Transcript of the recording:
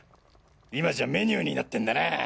今じゃメニューになってんだな。